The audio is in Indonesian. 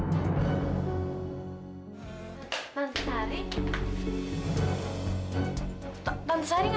ngapain tante pegang